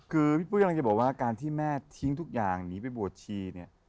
คือพี่ปุ้ยกำลังจะบอกว่าการที่แม่ทิ้งทุกอย่างหนีไปบวชชีเนี่ย